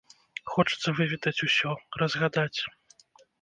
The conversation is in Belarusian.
Хочацца выведаць усё, разгадаць.